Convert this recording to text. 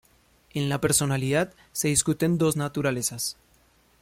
En la personalidad, se discuten dos naturalezas.